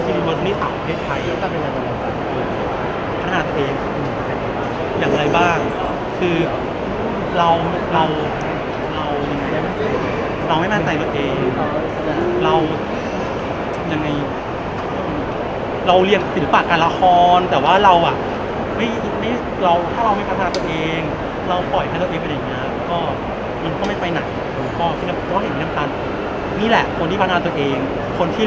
คุณโชว์น้องเป็นตัวแทนที่ถ่ายคุณโชว์น้องเป็นตัวแทนที่ถ่ายคุณโชว์น้องเป็นตัวแทนที่ถ่ายคุณโชว์น้องเป็นตัวแทนที่ถ่ายคุณโชว์น้องเป็นตัวแทนที่ถ่ายคุณโชว์น้องเป็นตัวแทนที่ถ่ายคุณโชว์น้องเป็นตัวแทนที่ถ่ายคุณโชว์น้องเป็นตัวแทนที่ถ่ายคุณโชว์น้องเป็นตัวแทนที่